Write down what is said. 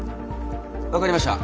分かりました。